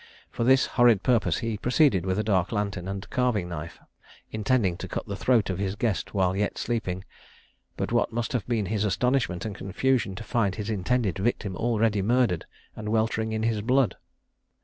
For this horrid purpose he proceeded with a dark lantern and a carving knife, intending to cut the throat of his guest while yet sleeping; but what must have been his astonishment and confusion to find his intended victim already murdered, and weltering in his blood!